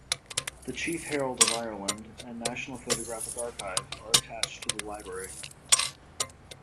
The Chief Herald of Ireland and National Photographic Archive are attached to the library.